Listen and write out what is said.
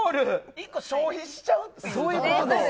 １個消費しちゃうっていう。